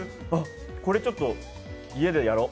これちょっと家でやろう。